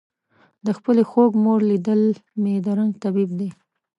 د خپلې خوږ مور لیدل مې د رنځ طبیب دی.